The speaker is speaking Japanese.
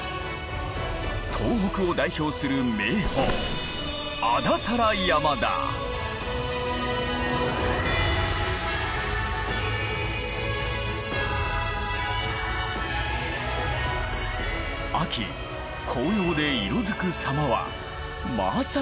東北を代表する名峰秋紅葉で色づく様はまさに絶景！